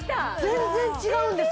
全然違うんです